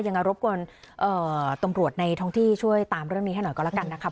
ยังไงรบกวนตำรวจในท้องที่ช่วยตามเรื่องนี้ให้หน่อยก็แล้วกันนะครับ